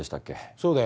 そうだよ